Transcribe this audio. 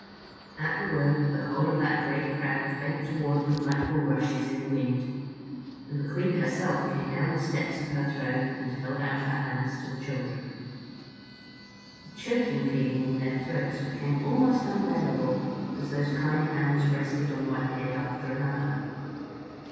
At the word the whole of that great crowd bent toward them like bulrushes in the wind, and the Queen herself came down the steps of her throne and held out her hands to the children. A choking feeling in their throats became almost unbearable as those kind hands rested on one head after another.